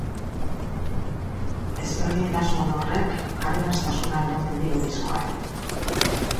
Ezberdintasun horrek aberastasuna ematen dio diskoari.